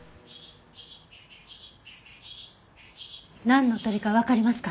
なんの鳥かわかりますか？